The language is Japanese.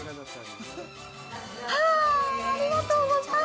ありがとうございます。